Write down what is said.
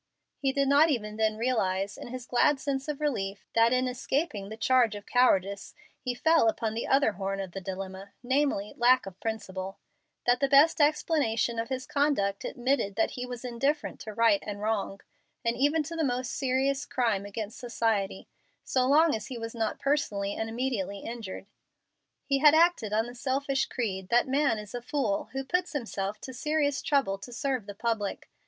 He did not even then realize, in his glad sense of relief, that in escaping the charge of cowardice he fell upon the other horn of the dilemma, namely, lack of principle that the best explanation of his conduct admitted that he was indifferent to right and wrong, and even to the most serious crime against society, so long as he was not personally and immediately injured. He had acted on the selfish creed that a man is a fool who puts himself to serious trouble to serve the public.